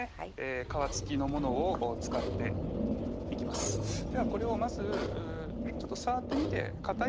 皮付きのものを使っていきますではこれをまずちょっと触ってみてかたい